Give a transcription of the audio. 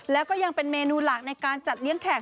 แล้วก็ยังเป็นเมนูหลักในการจัดเลี้ยงแขก